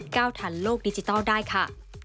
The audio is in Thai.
ทันโลกดิจิทัลได้ค่ะ